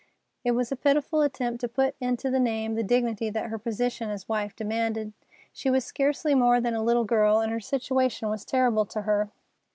It was a pitiful attempt to put into the name the dignity that her position as wife demanded. She was scarcely more than a little girl, and her situation was terrible to her.